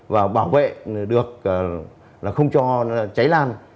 và bảo vệ được là không cho cháy lan